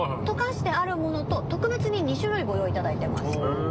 「溶かしてあるもの」と特別に２種類ご用意いただいています。